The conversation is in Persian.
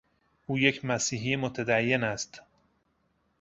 او یک مسیحی متدین است.